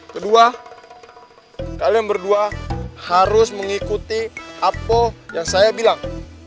kedua kalian berdua harus mengikuti apple yang saya bilang